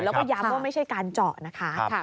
แล้วก็ย้ำว่าไม่ใช่การเจาะนะคะ